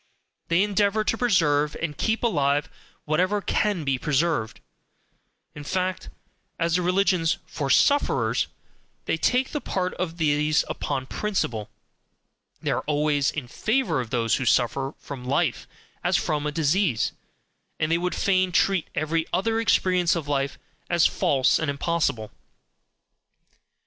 They endeavour to preserve and keep alive whatever can be preserved; in fact, as the religions FOR SUFFERERS, they take the part of these upon principle; they are always in favour of those who suffer from life as from a disease, and they would fain treat every other experience of life as false and impossible.